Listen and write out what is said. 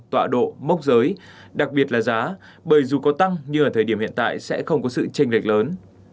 tọa độ mốc giới đặc biệt là giá bởi dù có tăng như ở thời điểm hiện tại sẽ không có sự tranh lệch lớn